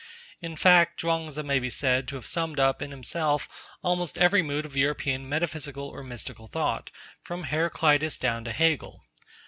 In fact, Chuang Tzu may be said to have summed up in himself almost every mood of European metaphysical or mystical thought, from Heraclitus down to Hegel.